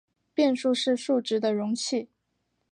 变数是数值的容器。